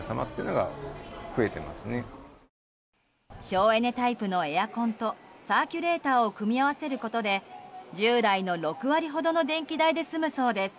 省エネタイプのエアコンとサーキュレーターを組み合わせることで従来の６割ほどの電気代で済むそうです。